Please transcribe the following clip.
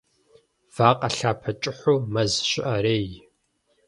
Вакъэ лъапэ кӀыхьу мэз щыӀэрей.